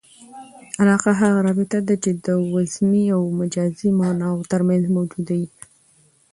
علاقه هغه رابطه ده، چي د وضمي او مجازي ماناوو ترمنځ موجوده يي.